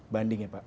banding ya pak